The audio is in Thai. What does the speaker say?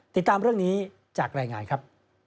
ติดตามเรื่องนี้จากรายงานครับ